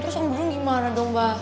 terus om dudung gimana dong mba